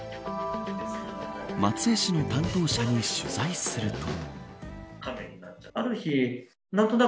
松江市の担当者に取材すると。